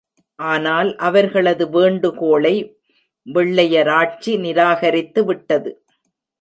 ஆனால், அவர்களது வேண்டுகோளை வெள்ளையராட்சி நிராகரித்து விட்டது.